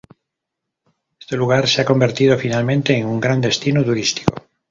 Este lugar se ha convertido finalmente en un gran destino turístico.